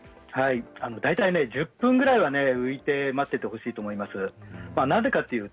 １０分ぐらいは浮いて待っていてほしいと思います。